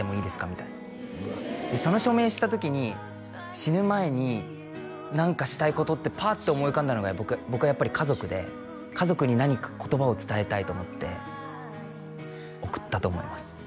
みたいなうわっでその署名した時に死ぬ前に何かしたいことってパッて思い浮かんだのが僕はやっぱり家族で家族に何か言葉を伝えたいと思って送ったと思います